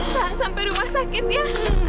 tahan sampai rumah sakit ya